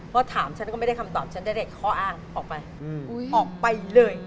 พอถามฉันก็ไม่ได้คำตอบฉันได้ข้ออ้างออกไปออกไปเลย